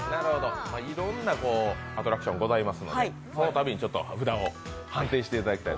いろんなアトラクションございますのでそのたびに札を判定していただきたい。